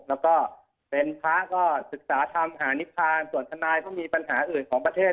แล้วก็เป็นพระก็ศึกษาธรรมหานิพานส่วนทนายก็มีปัญหาอื่นของประเทศ